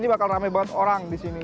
nanti bakal ramai banget orang di sini